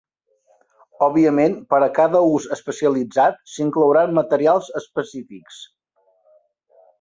Òbviament per a cada ús especialitzat, s'inclouran materials específics.